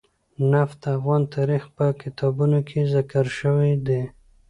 نفت د افغان تاریخ په کتابونو کې ذکر شوی دي.